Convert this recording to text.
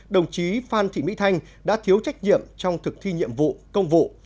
đồng chí phan thị mỹ thanh đã thiếu trách nhiệm trong thực thi nhiệm vụ công vụ